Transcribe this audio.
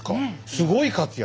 すごい活躍。